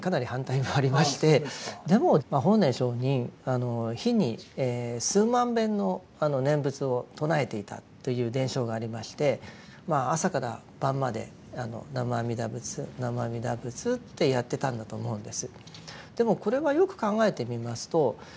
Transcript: でも法然上人日に数万遍の念仏を唱えていたという伝承がありましてまあ朝から晩まで南無阿弥陀仏南無阿弥陀仏ってやってたんだと思うんです。